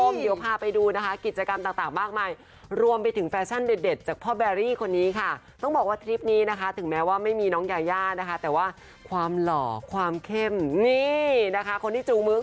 บทนี้เลิศมากที่ฉันอยากดูค่ะจ้าวป่าทัศน์โหนเถาวันมันเสลยคุณผู้ชม